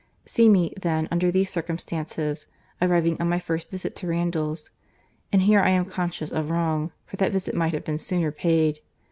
—See me, then, under these circumstances, arriving on my first visit to Randalls;—and here I am conscious of wrong, for that visit might have been sooner paid.